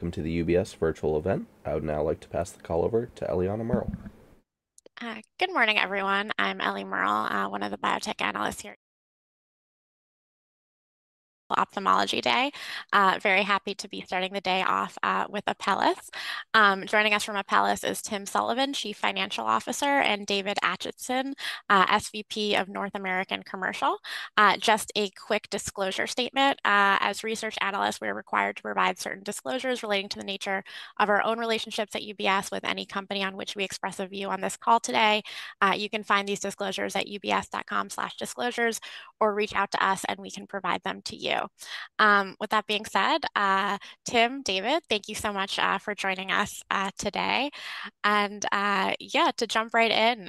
Welcome to the UBS Virtual Event. I would now like to pass the call over to Eliana Merle. Good morning, everyone. I'm Eli Merle, one of the biotech analysts here at Ophthalmology Day. Very happy to be starting the day off with Apellis. Joining us from Apellis is Tim Sullivan, chief financial officer, and David Acheson, SVP of North American Commercial. Just a quick disclosure statement. As research analysts, we're required to provide certain disclosures relating to the nature of our own relationships at UBS with any company on which we express a view on this call today. You can find these disclosures at UBS.com/disclosures, or reach out to us and we can provide them to you. With that being said, Tim, David, thank you so much for joining us today, and yeah, to jump right in,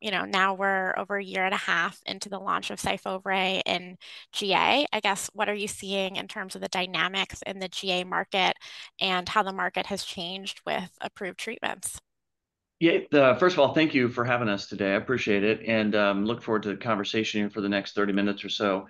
you know, now we're over a year and a half into the launch of Syfovre in GA. I guess, what are you seeing in terms of the dynamics in the GA market and how the market has changed with approved treatments? Yeah, first of all, thank you for having us today. I appreciate it, and look forward to the conversation for the next 30 minutes or so.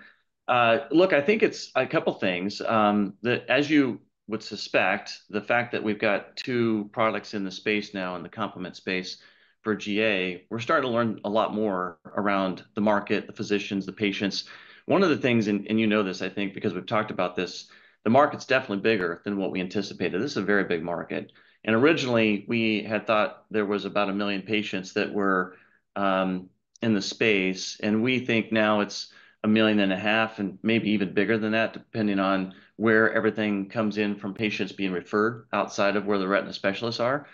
Look, I think it's a couple things. As you would suspect, the fact that we've got two products in the space now, in the complement space for GA, we're starting to learn a lot more around the market, the physicians, the patients. One of the things, and you know this, I think, because we've talked about this, the market's definitely bigger than what we anticipated. This is a very big market. Originally, we had thought there was about a million patients that were in the space, and we think now it's a million and a half, and maybe even bigger than that, depending on where everything comes in from patients being referred outside of where the retina specialists are.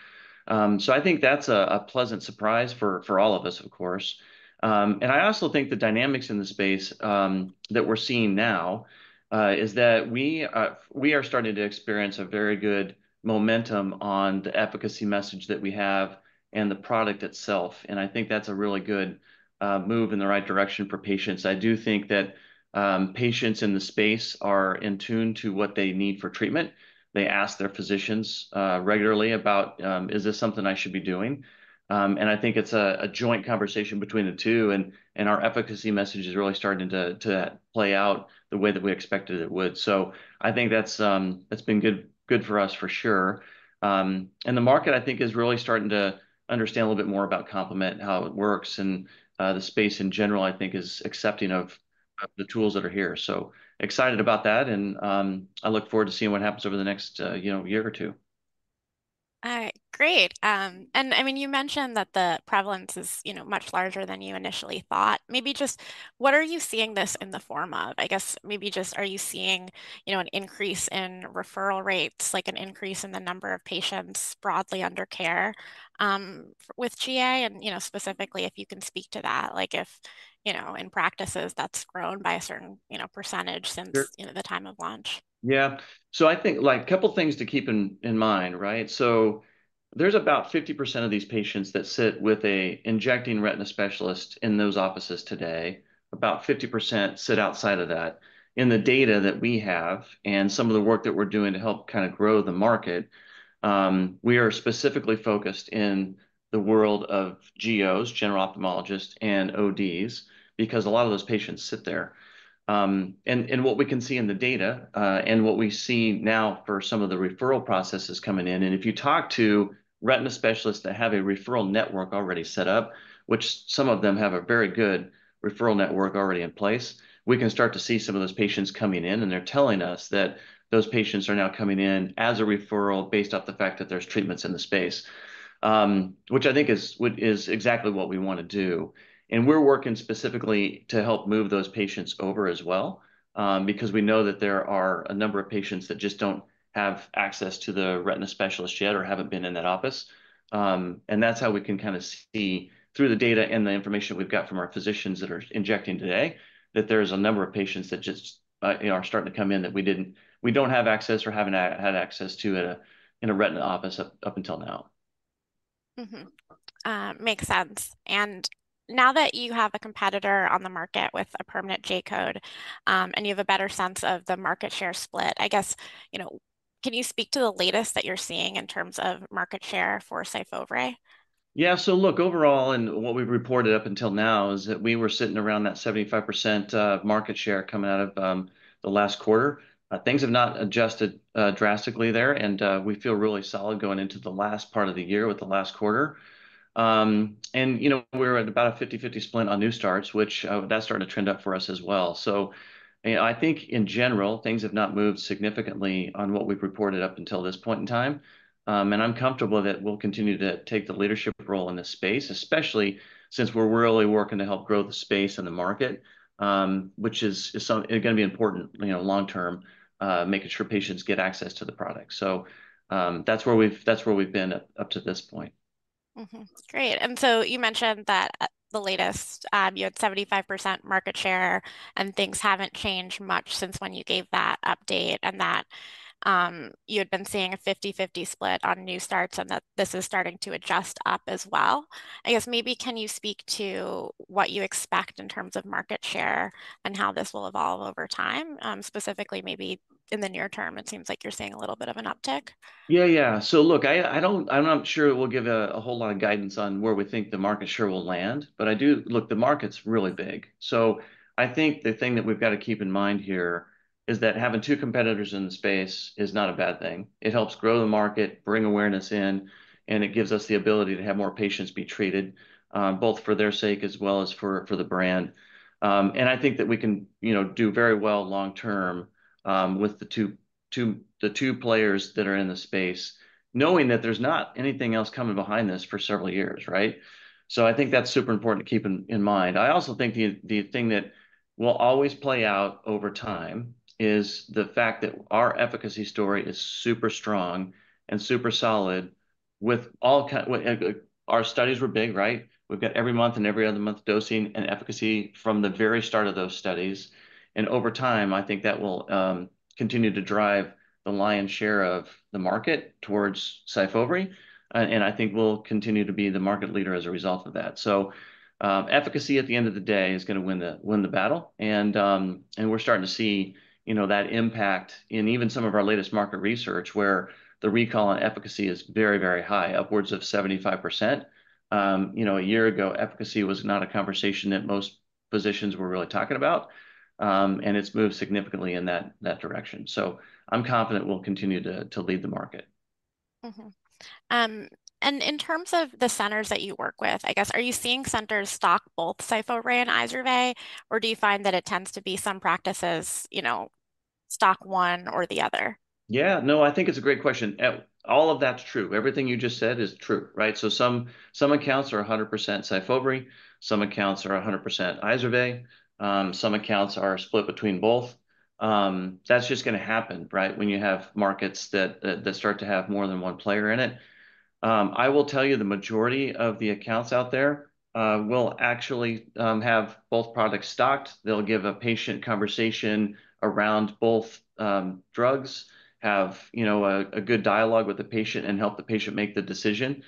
So I think that's a pleasant surprise for all of us, of course. And I also think the dynamics in the space that we're seeing now is that we are starting to experience a very good momentum on the efficacy message that we have and the product itself, and I think that's a really good move in the right direction for patients. I do think that patients in the space are in tune to what they need for treatment. They ask their physicians regularly about, "Is this something I should be doing?" and I think it's a joint conversation between the two, and our efficacy message is really starting to play out the way that we expected it would. So I think that's been good for us, for sure. And the market, I think, is really starting to understand a little bit more about complement, and how it works, and the space in general, I think, is accepting of the tools that are here. So excited about that, and I look forward to seeing what happens over the next, you know, year or two. All right. Great, and, I mean, you mentioned that the prevalence is, you know, much larger than you initially thought. Maybe just what are you seeing this in the form of? I guess, maybe just are you seeing, you know, an increase in referral rates, like an increase in the number of patients broadly under care with GA? And, you know, specifically, if you can speak to that, like, if, you know, in practices, that's grown by a certain, you know, percentage since- Sure... you know, the time of launch. Yeah. So I think, like, a couple things to keep in mind, right? So there's about 50% of these patients that sit with an injecting retina specialist in those offices today. About 50% sit outside of that. In the data that we have and some of the work that we're doing to help kind of grow the market, we are specifically focused in the world of GOs, general ophthalmologists, and ODs, because a lot of those patients sit there. What we can see in the data, and what we see now for some of the referral processes coming in, and if you talk to retina specialists that have a referral network already set up, which some of them have a very good referral network already in place, we can start to see some of those patients coming in, and they're telling us that those patients are now coming in as a referral based off the fact that there's treatments in the space, which I think is exactly what we want to do, and we're working specifically to help move those patients over as well, because we know that there are a number of patients that just don't have access to the retina specialist yet or haven't been in that office. That's how we can kind of see through the data and the information we've got from our physicians that are injecting today, that there's a number of patients that just, you know, are starting to come in that we don't have access or haven't had access to in a retina office up until now. Mm-hmm. Makes sense. And now that you have a competitor on the market with a permanent J-code, and you have a better sense of the market share split, I guess, you know, can you speak to the latest that you're seeing in terms of market share for Syfovre? Yeah. So look, overall, and what we've reported up until now, is that we were sitting around that 75% market share coming out of the last quarter. Things have not adjusted drastically there, and we feel really solid going into the last part of the year with the last quarter. And, you know, we're at about a 50-50 split on new starts, which, that's starting to trend up for us as well. So, you know, I think in general, things have not moved significantly on what we've reported up until this point in time. And I'm comfortable that we'll continue to take the leadership role in this space, especially since we're really working to help grow the space and the market, which is gonna be important, you know, long term, making sure patients get access to the product. So, that's where we've been up to this point. Mm-hmm. Great, and so you mentioned that at the latest, you had 75% market share, and things haven't changed much since when you gave that update, and that, you had been seeing a 50-50 split on new starts, and that this is starting to adjust up as well. I guess maybe can you speak to what you expect in terms of market share and how this will evolve over time? Specifically maybe in the near term, it seems like you're seeing a little bit of an uptick. Yeah. So look, I don't- I'm not sure we'll give a whole lot of guidance on where we think the market share will land, but I do... Look, the market's really big, so I think the thing that we've gotta keep in mind here is that having two competitors in the space is not a bad thing. It helps grow the market, bring awareness in, and it gives us the ability to have more patients be treated, both for their sake as well as for the brand. And I think that we can, you know, do very well long term, with the two players that are in the space, knowing that there's not anything else coming behind this for several years, right? So I think that's super important to keep in mind. I also think the thing that will always play out over time is the fact that our efficacy story is super strong and super solid with all our studies were big, right? We've got every month and every other month dosing and efficacy from the very start of those studies, and over time, I think that will continue to drive the lion's share of the market towards Syfovre, and I think we'll continue to be the market leader as a result of that. So, efficacy, at the end of the day, is gonna win the battle, and we're starting to see, you know, that impact in even some of our latest market research, where the recall on efficacy is very, very high, upwards of 75%. You know, a year ago, efficacy was not a conversation that most physicians were really talking about, and it's moved significantly in that direction, so I'm confident we'll continue to lead the market. In terms of the centers that you work with, I guess, are you seeing centers stock both Syfovre and Izervay, or do you find that it tends to be some practices, you know, stock one or the other? Yeah. No, I think it's a great question. All of that's true. Everything you just said is true, right? So some accounts are 100% Syfovre, some accounts are 100% Izervay, some accounts are split between both. That's just gonna happen, right? When you have markets that start to have more than one player in it. I will tell you, the majority of the accounts out there will actually have both products stocked. They'll give a patient conversation around both drugs, have you know a good dialogue with the patient, and help the patient make the decision.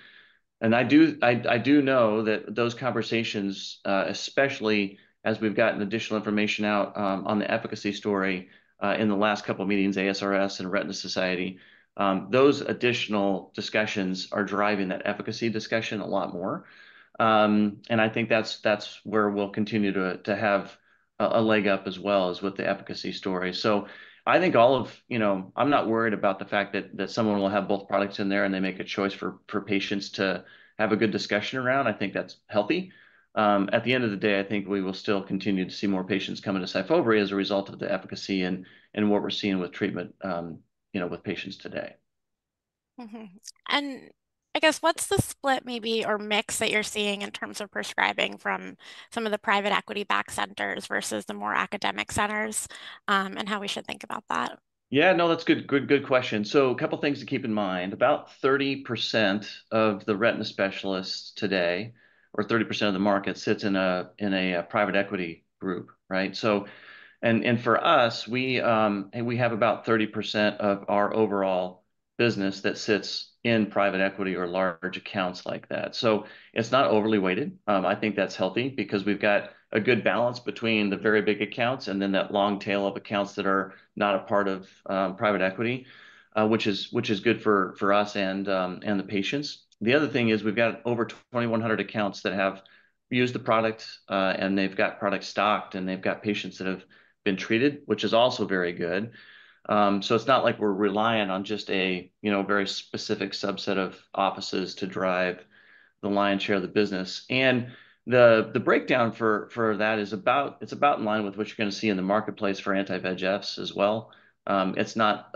I do know that those conversations, especially as we've gotten additional information out on the efficacy story in the last couple of meetings, ASRS and Retina Society, those additional discussions are driving that efficacy discussion a lot more. I think that's where we'll continue to have a leg up as well is with the efficacy story. I think all of... You know, I'm not worried about the fact that someone will have both products in there, and they make a choice for patients to have a good discussion around. I think that's healthy. At the end of the day, I think we will still continue to see more patients coming to Syfovre as a result of the efficacy and what we're seeing with treatment, you know, with patients today. Mm-hmm. And I guess, what's the split maybe or mix that you're seeing in terms of prescribing from some of the private equity backed centers versus the more academic centers, and how we should think about that? Yeah, no, that's good, good, good question. So a couple things to keep in mind. About 30% of the retina specialists today, or 30% of the market, sits in a private equity group, right? So, and for us, we have about 30% of our overall business that sits in private equity or large accounts like that, so it's not overly weighted. I think that's healthy, because we've got a good balance between the very big accounts and then that long tail of accounts that are not a part of private equity, which is good for us and the patients. The other thing is we've got over 2,100 accounts that have used the product, and they've got product stocked, and they've got patients that have been treated, which is also very good. So it's not like we're reliant on just a, you know, very specific subset of offices to drive the lion's share of the business. And the breakdown for that is about in line with what you're gonna see in the marketplace for anti-VEGFs as well. It's not.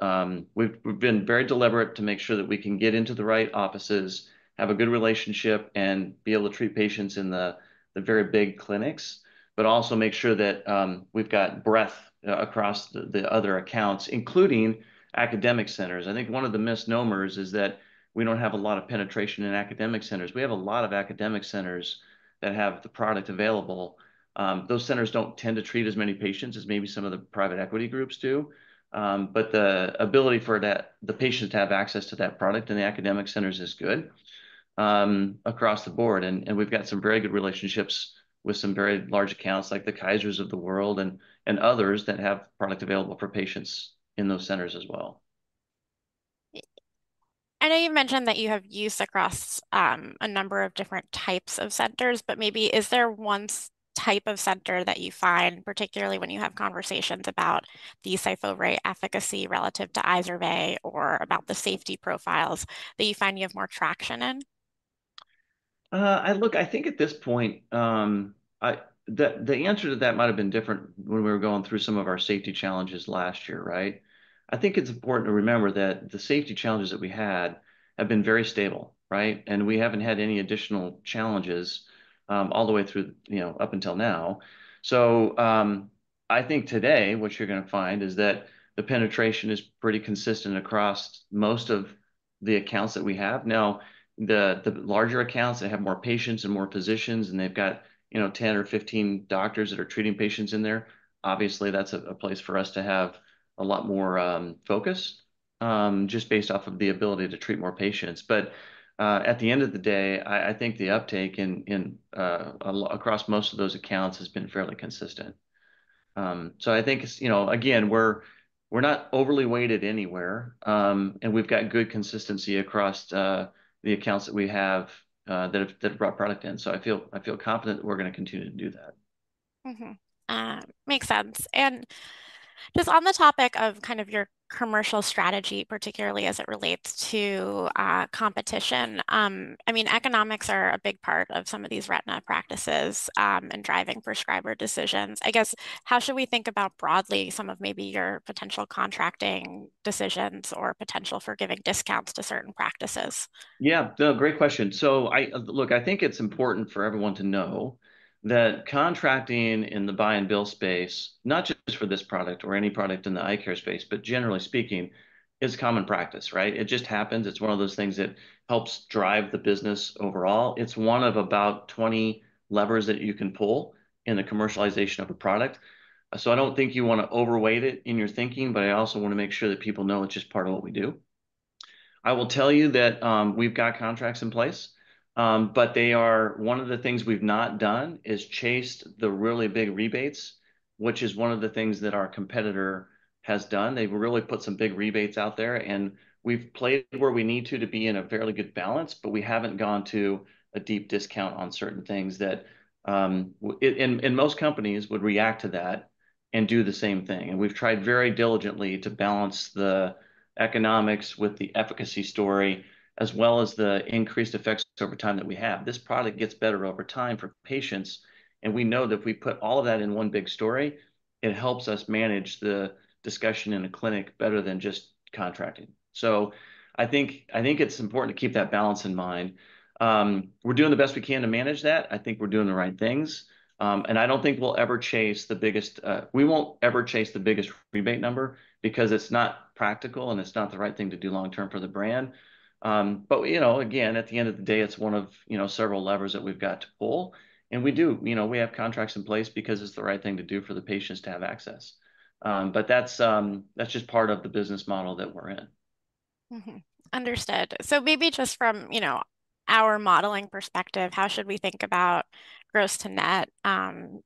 We've been very deliberate to make sure that we can get into the right offices, have a good relationship, and be able to treat patients in the very big clinics, but also make sure that we've got breadth across the other accounts, including academic centers. I think one of the misnomers is that we don't have a lot of penetration in academic centers. We have a lot of academic centers that have the product available. Those centers don't tend to treat as many patients as maybe some of the private equity groups do, but the ability for that, the patient to have access to that product in the academic centers is good, across the board, and we've got some very good relationships with some very large accounts, like the Kaisers of the world and others that have product available for patients in those centers as well. I know you've mentioned that you have use across a number of different types of centers, but maybe is there one type of center that you find, particularly when you have conversations about the Syfovre efficacy relative to Izervay or about the safety profiles, that you find you have more traction in? I look, I think at this point. The answer to that might have been different when we were going through some of our safety challenges last year, right? I think it's important to remember that the safety challenges that we had have been very stable, right? And we haven't had any additional challenges, all the way through, you know, up until now. So, I think today what you're gonna find is that the penetration is pretty consistent across most of the accounts that we have. Now, the larger accounts that have more patients and more physicians, and they've got, you know, 10 or 15 doctors that are treating patients in there, obviously that's a place for us to have a lot more focus, just based off of the ability to treat more patients. But at the end of the day, I think the uptake across most of those accounts has been fairly consistent. So I think it's, you know, again, we're not overly weighted anywhere, and we've got good consistency across the accounts that we have that have brought product in. So I feel confident that we're gonna continue to do that. Makes sense. And just on the topic of kind of your commercial strategy, particularly as it relates to competition, I mean, economics are a big part of some of these retina practices in driving prescriber decisions. I guess, how should we think about broadly some of maybe your potential contracting decisions or potential for giving discounts to certain practices? Yeah. No, great question. So, look, I think it's important for everyone to know that contracting in the buy and bill space, not just for this product or any product in the eye care space, but generally speaking, is common practice, right? It just happens. It's one of those things that helps drive the business overall. It's one of about 20 levers that you can pull in the commercialization of a product. So I don't think you want to overweight it in your thinking, but I also want to make sure that people know it's just part of what we do. I will tell you that, we've got contracts in place, but they are one of the things we've not done is chased the really big rebates, which is one of the things that our competitor has done. They've really put some big rebates out there, and we've played it where we need to, to be in a fairly good balance, but we haven't gone to a deep discount on certain things that and most companies would react to that and do the same thing. And we've tried very diligently to balance the economics with the efficacy story, as well as the increased effects over time that we have. This product gets better over time for patients, and we know that if we put all of that in one big story, it helps us manage the discussion in a clinic better than just contracting. So I think it's important to keep that balance in mind. We're doing the best we can to manage that. I think we're doing the right things, and I don't think we'll ever chase the biggest, uh... We won't ever chase the biggest rebate number because it's not practical, and it's not the right thing to do long term for the brand. But, you know, again, at the end of the day, it's one of, you know, several levers that we've got to pull, and we do. You know, we have contracts in place because it's the right thing to do for the patients to have access. But that's just part of the business model that we're in. Understood. So maybe just from, you know, our modeling perspective, how should we think about gross to net,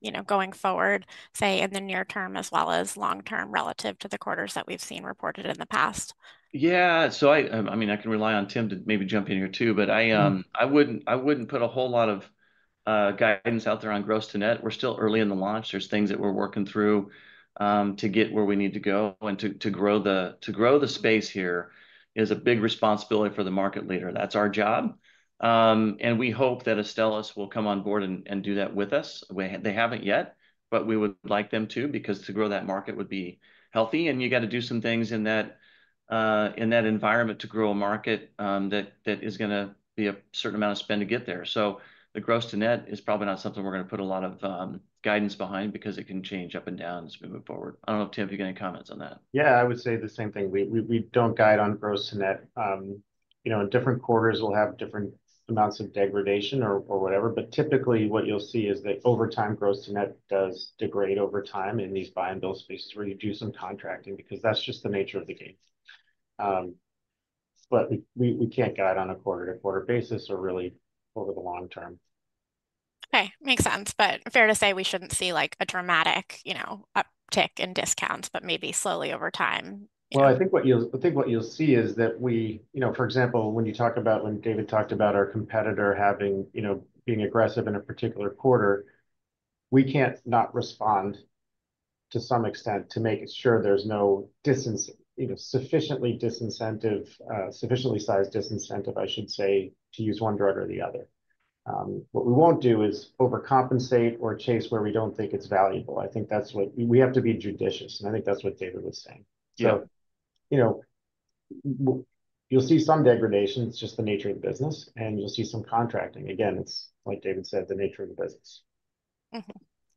you know, going forward, say, in the near term as well as long term relative to the quarters that we've seen reported in the past? Yeah, so I mean, I can rely on Tim to maybe jump in here, too, but I wouldn't put a whole lot of guidance out there on gross to net. We're still early in the launch. There's things that we're working through to get where we need to go and to grow the space here is a big responsibility for the market leader. That's our job. And we hope that Astellas will come on board and do that with us. They haven't yet, but we would like them to, because to grow that market would be healthy, and you gotta do some things in that environment to grow a market that is gonna be a certain amount of spend to get there. So the gross to net is probably not something we're gonna put a lot of guidance behind because it can change up and down as we move forward. I don't know, Tim, if you've got any comments on that. Yeah, I would say the same thing. We don't guide on gross to net. You know, different quarters will have different amounts of degradation or whatever, but typically what you'll see is that over time, gross to net does degrade over time in these buy and bill spaces where you do some contracting, because that's just the nature of the game. But we can't guide on a quarter-to-quarter basis or really over the long term. Okay, makes sense. But fair to say, we shouldn't see, like, a dramatic, you know, uptick in discounts, but maybe slowly over time? I think what you'll see is that we you know, for example, when you talk about, when David talked about our competitor having, you know, being aggressive in a particular quarter, we can't not respond to some extent to make sure there's no disincent you know, sufficiently disincentive, sufficiently sized disincentive, I should say, to use one drug or the other. What we won't do is overcompensate or chase where we don't think it's valuable. I think that's what we have to be judicious, and I think that's what David was saying. Yeah. So, you know, you'll see some degradation. It's just the nature of the business, and you'll see some contracting. Again, it's, like David said, the nature of the business.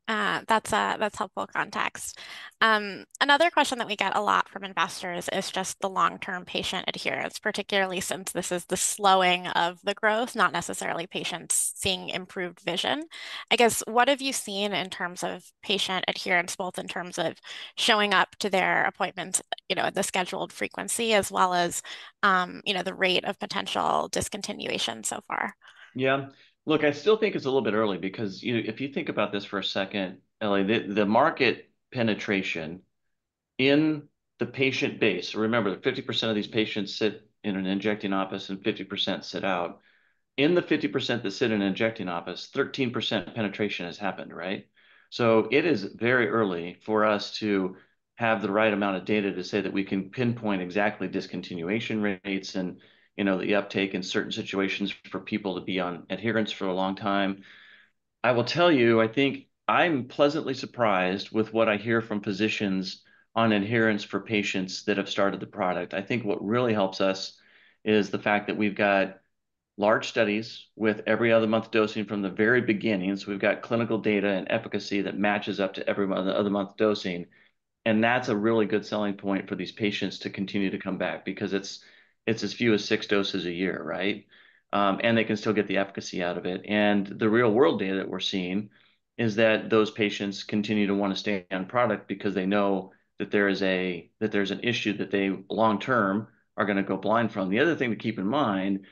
That's helpful context. Another question that we get a lot from investors is just the long-term patient adherence, particularly since this is the slowing of the growth, not necessarily patients seeing improved vision. I guess, what have you seen in terms of patient adherence, both in terms of showing up to their appointments, you know, at the scheduled frequency, as well as, you know, the rate of potential discontinuation so far? Yeah. Look, I still think it's a little bit early because, you know, if you think about this for a second, Eli, the market penetration in the patient base. Remember that 50% of these patients sit in an injecting office and 50% sit out. In the 50% that sit in an injecting office, 13% penetration has happened, right? So it is very early for us to have the right amount of data to say that we can pinpoint exactly discontinuation rates and, you know, the uptake in certain situations for people to be on adherence for a long time. I will tell you, I think I'm pleasantly surprised with what I hear from physicians on adherence for patients that have started the product. I think what really helps us is the fact that we've got large studies with every other month dosing from the very beginning, so we've got clinical data and efficacy that matches up to every other month dosing... and that's a really good selling point for these patients to continue to come back, because it's, it's as few as six doses a year, right? And they can still get the efficacy out of it, and the real-world data that we're seeing is that those patients continue to wanna stay on product because they know that there is that there's an issue that they, long-term, are gonna go blind from. The other thing to keep in mind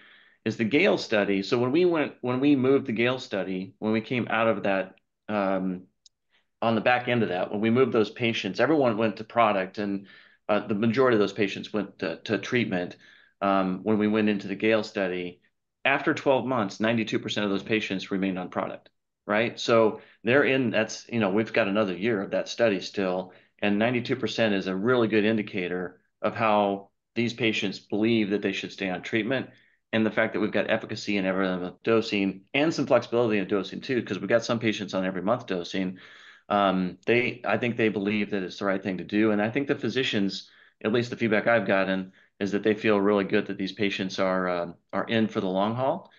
is the GALE study. When we moved the GAIL study, when we came out of that, on the back end of that, when we moved those patients, everyone went to product, and the majority of those patients went to treatment. When we went into the GAIL study, after 12 months, 92% of those patients remained on product, right? So they're in. That's, you know, we've got another year of that study still, and 92% is a really good indicator of how these patients believe that they should stay on treatment, and the fact that we've got efficacy in every other month dosing, and some flexibility in dosing, too, 'cause we've got some patients on every-month dosing. I think they believe that it's the right thing to do, and I think the physicians, at least the feedback I've gotten, is that they feel really good that these patients are in for the long haul.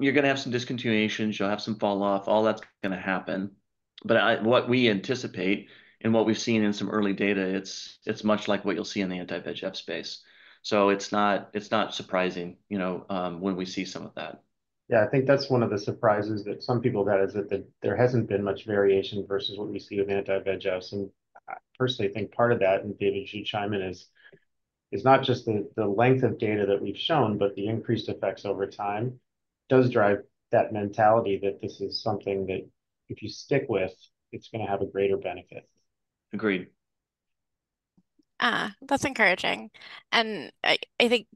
You're gonna have some discontinuations, you'll have some fall-off. All that's gonna happen. But what we anticipate, and what we've seen in some early data, it's much like what you'll see in the anti-VEGF space. So it's not surprising, you know, when we see some of that. Yeah, I think that's one of the surprises that some people got, is that there hasn't been much variation versus what we see with anti-VEGFs. And I personally think part of that, and David, you chime in, is it's not just the length of data that we've shown, but the increased effects over time does drive that mentality, that this is something that if you stick with, it's gonna have a greater benefit. Agreed. Ah, that's encouraging. And I think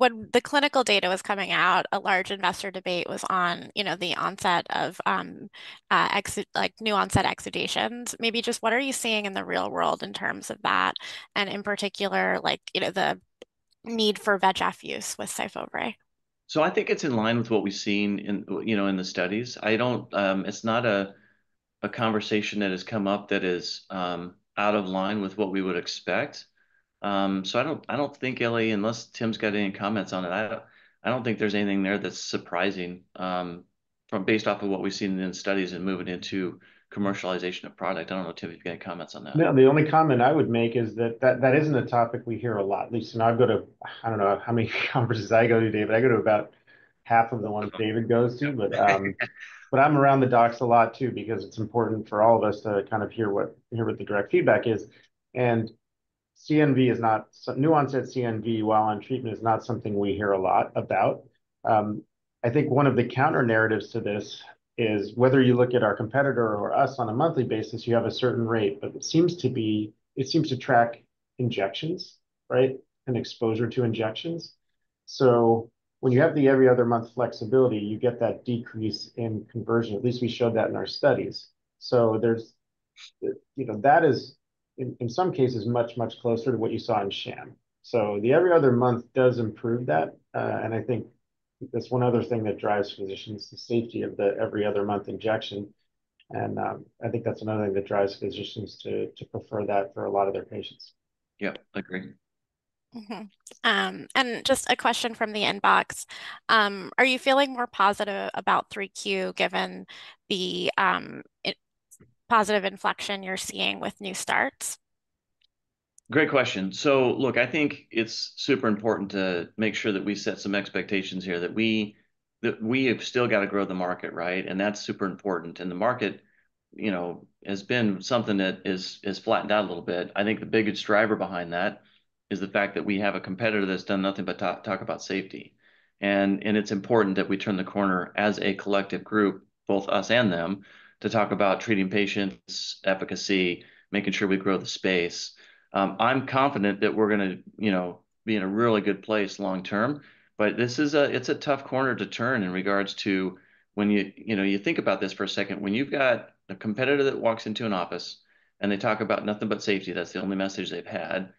when the clinical data was coming out, a large investor debate was on, you know, the onset of new-onset exudations. Maybe just what are you seeing in the real world in terms of that, and in particular, like, you know, the need for VEGF use with Syfovre? So I think it's in line with what we've seen in, you know, in the studies. I don't. It's not a conversation that has come up that is out of line with what we would expect. So I don't, I don't think, Eli, unless Tim's got any comments on it, I don't, I don't think there's anything there that's surprising, from based off of what we've seen in studies and moving into commercialization of product. I don't know, Tim, if you've got any comments on that. No, the only comment I would make is that that isn't a topic we hear a lot. At least, I go to, I don't know how many conferences I go to, David. I go to about half of the ones David goes to, but I'm around the docs a lot, too, because it's important for all of us to kind of hear what the direct feedback is, and CNV is not, so new-onset CNV while on treatment is not something we hear a lot about. I think one of the counter narratives to this is whether you look at our competitor or us on a monthly basis, you have a certain rate, but it seems to track injections, right, and exposure to injections. So when you have the every-other-month flexibility, you get that decrease in conversion, at least we showed that in our studies. So there's, you know, that is in some cases much, much closer to what you saw in sham. So the every other month does improve that, and I think that's one other thing that drives physicians, the safety of the every-other-month injection, and I think that's another thing that drives physicians to prefer that for a lot of their patients. Yeah, agreed. And just a question from the inbox: "Are you feeling more positive about Q3, given the positive inflection you're seeing with new starts? Great question. So look, I think it's super important to make sure that we set some expectations here, that we have still got to grow the market, right? And that's super important. And the market, you know, has been something that has flattened out a little bit. I think the biggest driver behind that is the fact that we have a competitor that's done nothing but talk about safety. And it's important that we turn the corner as a collective group, both us and them, to talk about treating patients, efficacy, making sure we grow the space. I'm confident that we're gonna, you know, be in a really good place long term, but this is it's a tough corner to turn in regards to when you you know, you think about this for a second. When you've got a competitor that walks into an office and they talk about nothing but safety, that's the only message they've had.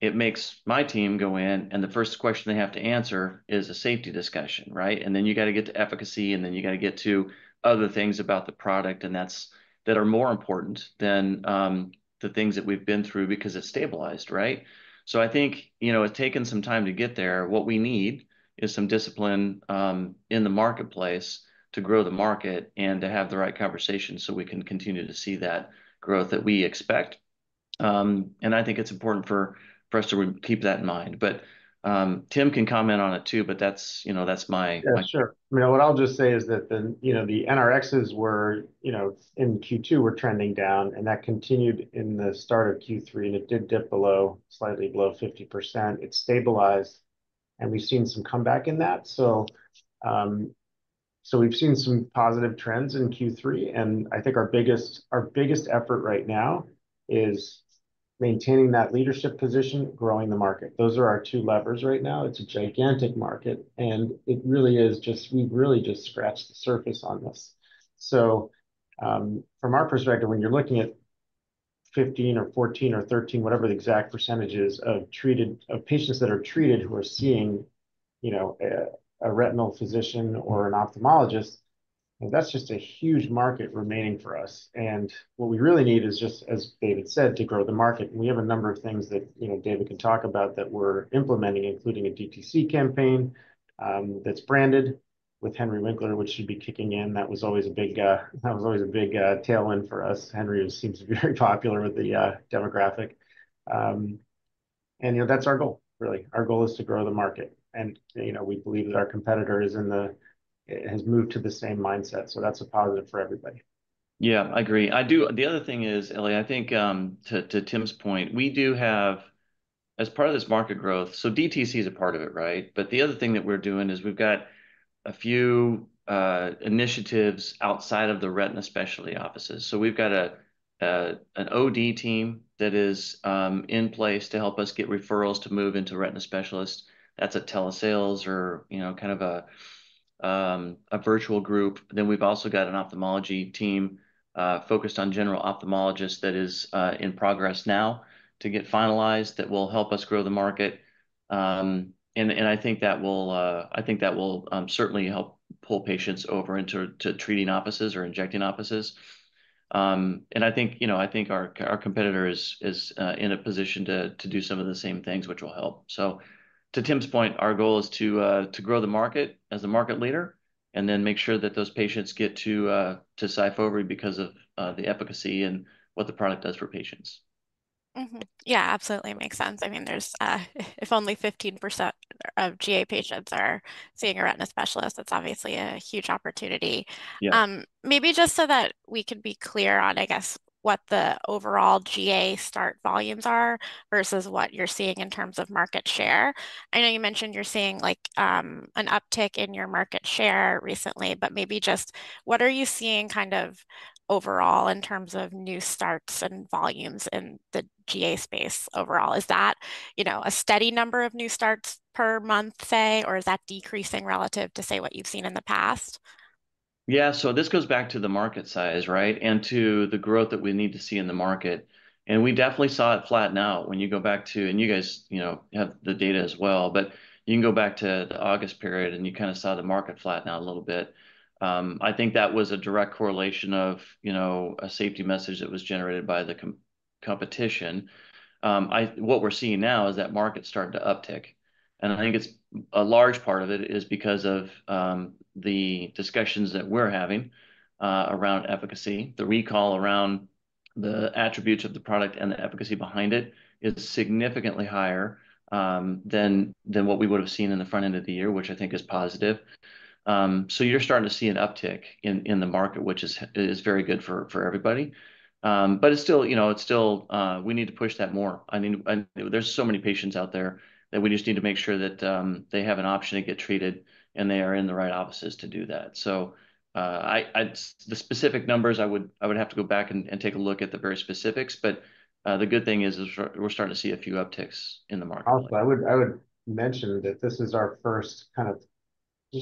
It makes my team go in, and the first question they have to answer is a safety discussion, right? And then you gotta get to efficacy, and then you gotta get to other things about the product, and that are more important than the things that we've been through, because it's stabilized, right? So I think, you know, it's taken some time to get there. What we need is some discipline in the marketplace to grow the market and to have the right conversation, so we can continue to see that growth that we expect, and I think it's important for us to keep that in mind. But Tim can comment on it, too, but that's, you know, that's my- Yeah, sure. You know, what I'll just say is that the, you know, the NRXs were, you know, in Q2, were trending down, and that continued in the start of Q3, and it did dip below, slightly below 50%. It stabilized, and we've seen some comeback in that, so we've seen some positive trends in Q3, and I think our biggest effort right now is maintaining that leadership position, growing the market. Those are our two levers right now. It's a gigantic market, and it really is just we've really just scratched the surface on this, so from our perspective, when you're looking at 15 or 14 or 13, whatever the exact % is, of patients that are treated, who are seeing, you know, a retinal physician or an ophthalmologist, that's just a huge market remaining for us. What we really need is just, as David said, to grow the market, and we have a number of things that, you know, David can talk about, that we're implementing, including a DTC campaign that's branded with Henry Winkler, which should be kicking in. That was always a big tailwind for us. Henry seems to be very popular with the demographic. You know, that's our goal, really. Our goal is to grow the market, and, you know, we believe that our competitor has moved to the same mindset, so that's a positive for everybody. Yeah, I agree. I do the other thing is, Eli, I think, to Tim's point, we do have, as part of this market growth, so DTC is a part of it, right? But the other thing that we're doing is we've got a few initiatives outside of the retina specialty offices. So we've got an OD team that is in place to help us get referrals to move into retina specialists. That's a telesales or, you know, kind of a virtual group. Then we've also got an ophthalmology team focused on general ophthalmologists that is in progress now to get finalized, that will help us grow the market. And I think that will certainly help pull patients over into treating offices or injecting offices. I think, you know, our competitor is in a position to do some of the same things, which will help, so to Tim's point, our goal is to grow the market as the market leader, and then make sure that those patients get to Syfovre because of the efficacy and what the product does for patients. Yeah, absolutely makes sense. I mean, there's if only 15% of GA patients are seeing a retina specialist, that's obviously a huge opportunity. Yeah. Maybe just so that we can be clear on, I guess, what the overall GA start volumes are versus what you're seeing in terms of market share. I know you mentioned you're seeing, like, an uptick in your market share recently, but maybe just what are you seeing kind of overall in terms of new starts and volumes in the GA space overall? Is that, you know, a steady number of new starts per month, say, or is that decreasing relative to, say, what you've seen in the past? Yeah, so this goes back to the market size, right? And to the growth that we need to see in the market, and we definitely saw it flatten out. When you go back to the August period, and you guys, you know, have the data as well, but you can go back to the August period, and you kind of saw the market flatten out a little bit. I think that was a direct correlation of, you know, a safety message that was generated by the competition. What we're seeing now is that market starting to uptick, and I think it's a large part of it is because of the discussions that we're having around efficacy. The recall around the attributes of the product and the efficacy behind it is significantly higher than what we would've seen in the front end of the year, which I think is positive, so you're starting to see an uptick in the market, which is very good for everybody, but it's still, you know, we need to push that more. I mean, and there's so many patients out there that we just need to make sure that they have an option to get treated, and they are in the right offices to do that, so I, the specific numbers, I would have to go back and take a look at the very specifics, but the good thing is we're starting to see a few upticks in the market. Also, I would mention that this is our first kind of,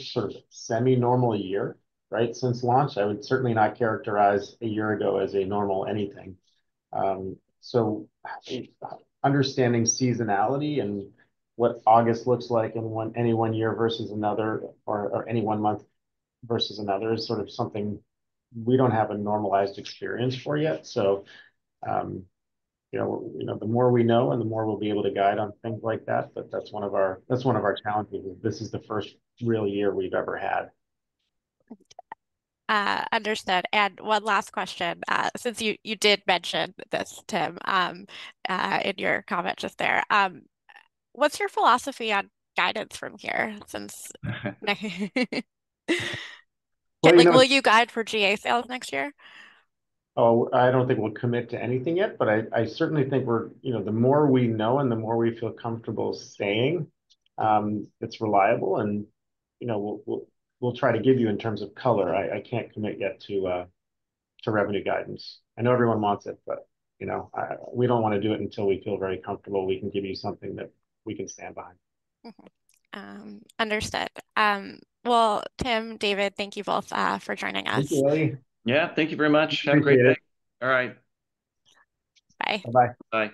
sort of semi-normal year, right, since launch. I would certainly not characterize a year ago as a normal anything. So, understanding seasonality and what August looks like in any one year versus another or any one month versus another is sort of something we don't have a normalized experience for yet. So, you know, the more we know, and the more we'll be able to guide on things like that, but that's one of our challenges, is this the first real year we've ever had. Understood. And one last question, since you did mention this, Tim, in your comment just there. What's your philosophy on guidance from here since- Well, you know- Like, will you guide for GA sales next year? Oh, I don't think we'll commit to anything yet, but I certainly think we're you know, the more we know and the more we feel comfortable saying, it's reliable, and you know, we'll try to give you in terms of color. I can't commit yet to revenue guidance. I know everyone wants it, but you know, we don't wanna do it until we feel very comfortable we can give you something that we can stand by. Understood, well, Tim, David, thank you both for joining us. Thank you, Eli. Yeah, thank you very much.